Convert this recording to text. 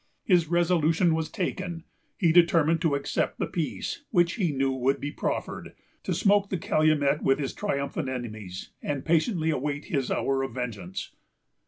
His resolution was taken. He determined to accept the peace which he knew would be proffered, to smoke the calumet with his triumphant enemies, and patiently await his hour of vengeance.